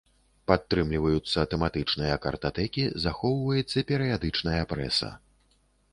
Падтрымліваюцца тэматычныя картатэкі, захоўваецца перыядычная прэса.